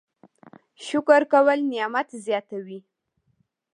شکر کول نعمت زیاتوي